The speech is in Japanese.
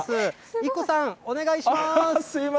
育子さん、お願いします。